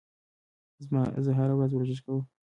زه هره ورځ ورزش کوم.